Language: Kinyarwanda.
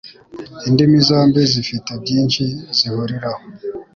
Indimi zombi zifite byinshi zihuriraho.